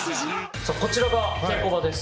さあこちらが稽古場です。